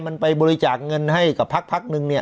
มันไปบริจาคเงินให้กับพักนึงเนี่ย